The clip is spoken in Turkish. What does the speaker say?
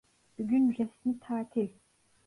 Bugün resmi tatil.